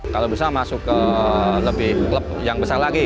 kalau bisa masuk ke lebih klub yang besar lagi